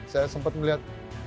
saya sempet melihat